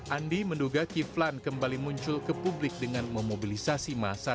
andi menduga kiflan kembali muncul ke publik dengan memobilisasi masa